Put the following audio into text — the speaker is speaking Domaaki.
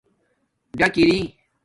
ڈک اری